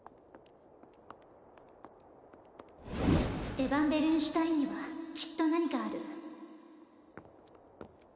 エヴァン＝ベルンシュタインにはきっと何かある